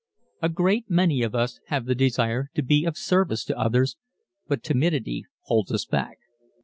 A great many of us have the desire to be of service to others but timidity holds us back.